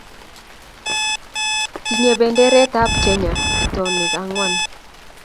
Tinyei benderetab Kenya itonwek ang'wan